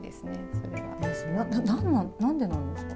なんでなんですか？